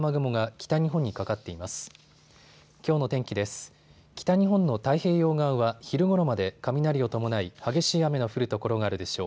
北日本の太平洋側は昼ごろまで雷を伴い激しい雨の降る所があるでしょう。